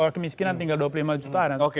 kalau kemiskinan tinggal dua puluh lima jutaan